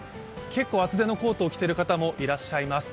結構、厚手のコートを着ている方もいらっしゃいます。